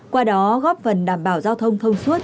qua đó góp phần đảm bảo giao thông thông suốt